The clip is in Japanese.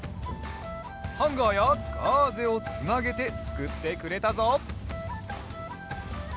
ハンガーやガーゼをつなげてつくってくれたぞ。